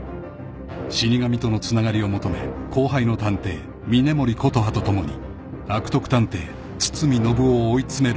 ［死神とのつながりを求め後輩の探偵峰森琴葉と共に悪徳探偵堤暢男を追い詰める玲奈］